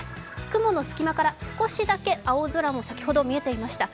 雲の隙間から少しだけ青空も先ほど見えていました。